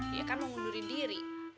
dia kan mau ngundurin diri